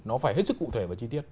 nó phải hết sức cụ thể và chi tiết